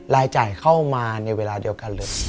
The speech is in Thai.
รายจ่ายเข้ามาในเวลาเดียวกันเลย